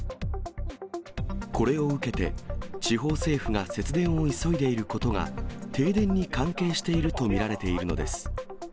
これを受けて、地方政府が節電を急いでいることが、停電に関係していると見られているのです。